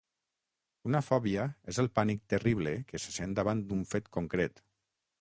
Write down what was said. Una fòbia és el pànic terrible que se sent davant un fet concret.